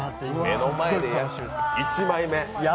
目の前で焼く１枚目。